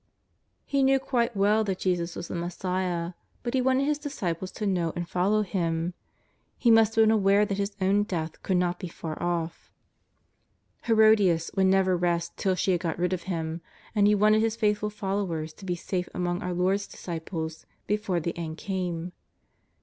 " He knew quite well that Jesus was the Messiah, but he wanted his disciples to know and follow Him. He must have been aware that his o\\ti death could not bo far off. Herodias would never rest till she had got rid of him, and he wanted his faithful followers to be safe among our Lord's disciples before the end came.